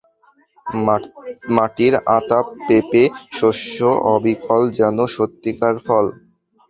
মাটির আতা, পেঁপে, শস্য-অবিকল যেন সত্যিকার ফল।